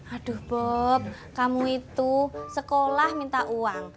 aduh bob kamu itu sekolah minta uang